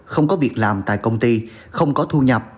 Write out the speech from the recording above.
không có việc làm tại công ty không có thu nhập